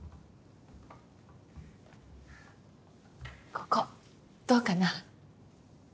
ここどうかな？